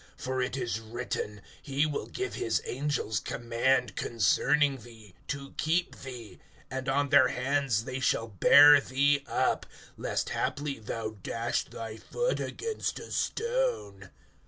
(10)For it is written: He will give his angels command concerning thee, to keep thee; (11)and on their hands they shall bear thee up, lest haply thou dash thy foot against a stone.